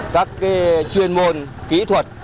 các chuyên môn kỹ thuật